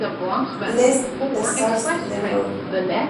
Les Essarts-le-Roi